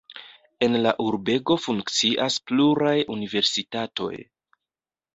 En la urbego funkcias pluraj universitatoj.